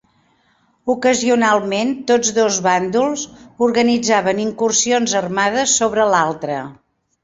Ocasionalment tots dos bàndols organitzaven incursions armades sobre l'altre.